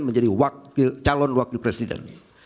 menjadi calon wakil presiden